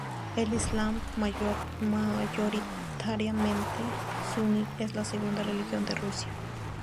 El Islam, mayoritariamente sunní, es la segunda religión de Rusia.